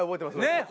ねえ